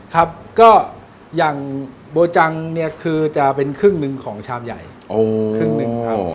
ครับก็อย่างโบจังเนี่ยคือจะเป็นครึ่งหนึ่งของชามใหญ่ครึ่งหนึ่งครับ